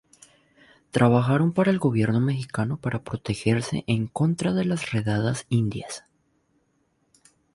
Trabajaron para el gobierno mexicano para protegerse en contra de las "redadas indias".